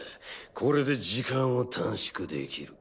これで時間を短縮できる。